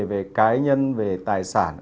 về cá nhân về tài sản